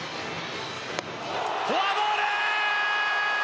フォアボール！